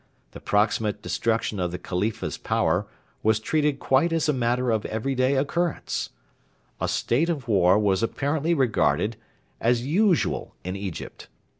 The proximate destruction of the Khalifa's power was treated quite as a matter of everyday occurrence. A state of war was apparently regarded as usual in Egypt.